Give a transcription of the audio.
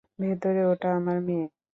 ভেতরে ওটা আমার মেয়ে!